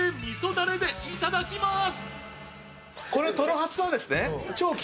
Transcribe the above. だれでいただきます。